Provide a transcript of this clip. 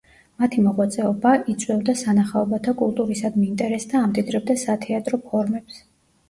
მათი მოღვაწეობა იწვევდა სანახაობათა კულტურისადმი ინტერესს და ამდიდრებდა სათეატრო ფორმებს.